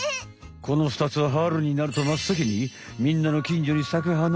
このふたつは春になるとまっさきにみんなのきんじょに咲く花なのよ。